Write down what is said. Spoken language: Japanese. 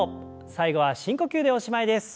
最後は深呼吸でおしまいです。